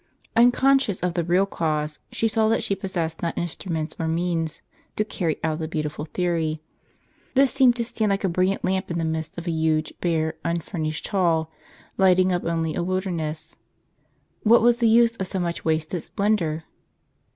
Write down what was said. Uncon scious of the real cause, she saw that she possessed not instruments or means, to cany out the beautiful theory. This seemed to stand like a brilliant lamp in the midst of a huge. bare, unfurnished hall, lighting up only a wilderness. TThat was the use of so much wasted splendor